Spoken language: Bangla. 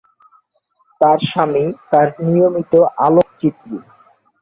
তার স্বামী তার নিয়মিত আলোকচিত্রী।